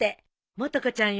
もと子ちゃんよ。